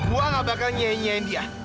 gue gak bakal nyanyi nyiain dia